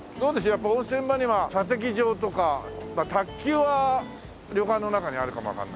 やっぱ温泉場には射的場とかまあ卓球は旅館の中にあるかもわからないけど。